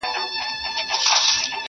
نه له خلوته څخه شېخ، نه له مغانه خیام،